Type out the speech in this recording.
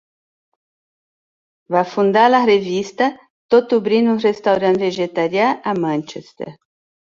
Va fundar la revista tot obrint un restaurant vegetarià a Manchester.